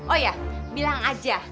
oh ya bilang aja